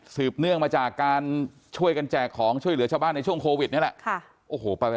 เนื่องมาจากการช่วยกันแจกของช่วยเหลือชาวบ้านในช่วงโควิดนี่แหละ